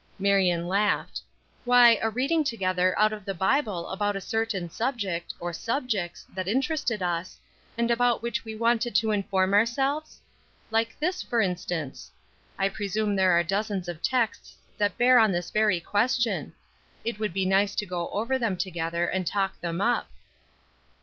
Marion laughed. "Why, a reading together out of the Bible about a certain subject, or subjects, that interested us, and about which we wanted to inform ourselves? Like this, for instance. I presume there are dozens of texts that bear on this very question. It would be nice to go over them together and talk them up."